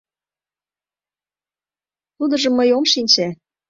Тудыжым мый ом шинче.